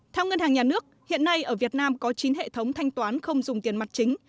theo ngân hàng nhà nước hiện nay ở việt nam có chín hệ thống thanh toán không dùng tiền mặt chính